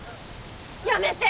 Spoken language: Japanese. やめて！